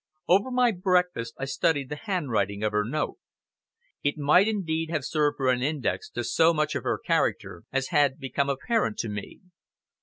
Over my breakfast I studied the handwriting of her note. It might indeed have served for an index to so much of her character as had become apparent to me.